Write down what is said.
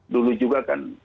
dulu juga kan